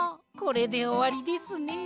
これでおわりですね。